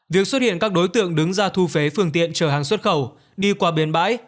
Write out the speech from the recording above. việc xuất hiện các đối tượng đứng ra thu phế phương tiện chở hàng xuất khẩu đi qua bến bãi